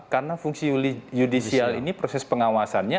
karena fungsi yudisial ini proses pengawasannya